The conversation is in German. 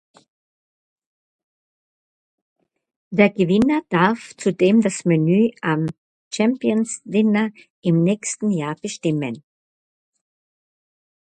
Der Gewinner darf zudem das Menü am „Champions' Dinner“ im nächsten Jahr bestimmen.